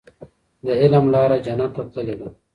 د علم لاره جنت ته تللې ده.